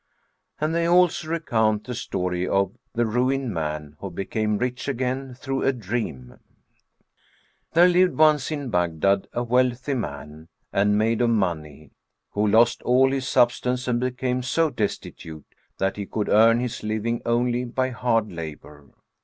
And they also recount the story of THE RUINED MAN WHO BECAME RICH AGAIN THROUGH A DREAM.[FN#424] There lived once in Baghdad a wealthy man and made of money, who lost all his substance and became so destitute that he could earn his living only by hard labour.